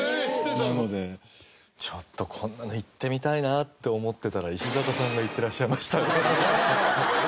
なのでちょっとこんなの行ってみたいなって思ってたら石坂さんが行ってらっしゃいましたね。